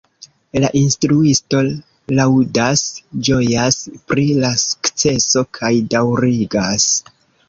La instruisto laŭdas, ĝojas pri la sukceso kaj daŭrigas.